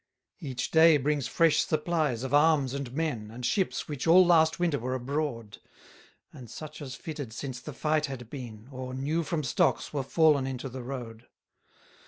150 Each day brings fresh supplies of arms and men, And ships which all last winter were abroad; And such as fitted since the fight had been, Or, new from stocks, were fallen into the road.